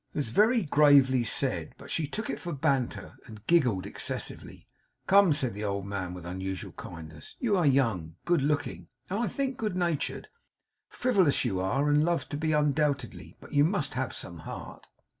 It was very gravely said, but she took it for banter, and giggled excessively. 'Come!' said the old man, with unusual kindness, 'you are young, good looking, and I think good natured! Frivolous you are, and love to be, undoubtedly; but you must have some heart.